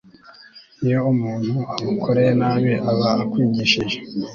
iyo umuntu agukoreye nabi aba akwigishije